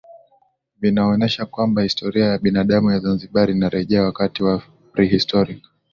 Vinaonesha kwamba historia ya binadamu ya Zanzibar inarejea wakati wa prehistoric